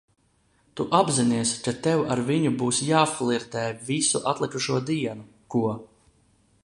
Tu apzinies, ka tev ar viņu būs jāflirtē visu atlikušo dienu, ko?